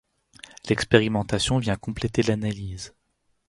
L'expérimentation vient compléter l'analyse.